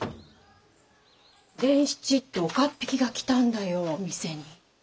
伝七って岡っ引きが来たんだよ店に。